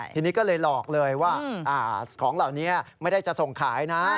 ทีนี้ก็เลยหลอกเลยว่าของเหล่านี้ไม่ได้จะส่งขายนะ